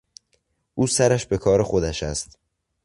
او سرش به کار خودش است.